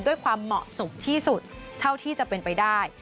ด้วยความเหมาะสมที่สุดเท่าที่จะเป็นไปได้